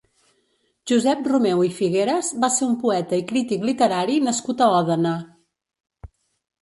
Josep Romeu i Figueras va ser un poeta i crític literari nascut a Òdena.